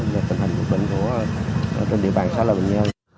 về tình hình dịch bệnh của trên địa bàn xã lào bình nhân